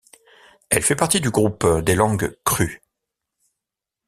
Elle fait partie du groupe des langues kru.